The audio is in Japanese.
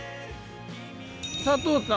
佐藤さん